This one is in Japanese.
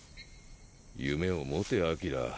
夢を持てアキラ。